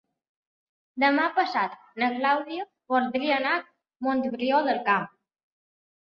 Demà passat na Clàudia voldria anar a Montbrió del Camp.